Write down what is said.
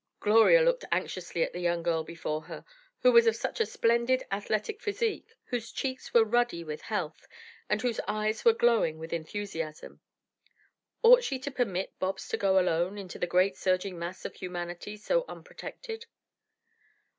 Gloria looked anxiously at the young girl before her, who was of such a splendid athletic physique, whose cheeks were ruddy with health, and whose eyes were glowing with enthusiasm. Ought she to permit Bobs to go alone into the great surging mass of humanity so unprotected?